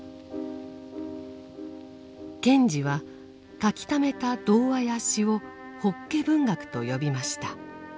賢治は書きためた童話や詩を「法華文学」と呼びました。